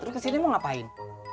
terus kesini mau ngapain